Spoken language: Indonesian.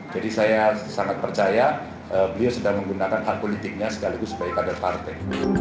jadi saya sangat percaya beliau sudah menggunakan hak politiknya sekaligus sebagai kader partai